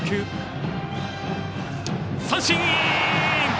三振！